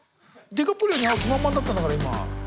ディカプリオに会う気満々だったんだから今。